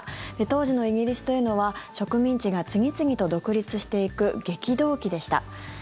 当時のイギリスというのは植民地が次々と独立していく激動期でした。